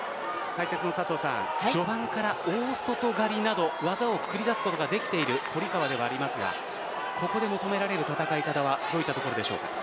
解説の佐藤さん序盤から大外刈など技を繰り出すことができている堀川ではありますがここで求められる戦い方はどういったところでしょうか？